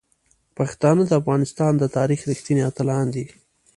پښتانه د افغانستان د تاریخ رښتیني اتلان دي.